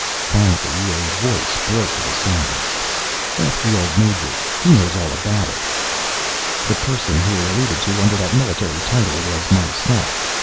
Finally, a voice broke the silence: "Ask the old Major; he knows all about it!" The person here alluded to under that military title was myself.